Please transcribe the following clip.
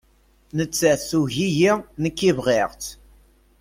Nettat tugi-iyi nek bɣiɣ-tt